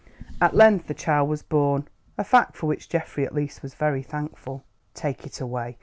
At length the child was born, a fact for which Geoffrey, at least, was very thankful. "Take it away.